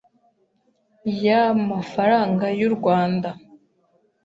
ya’amafaranga y’u Rwanda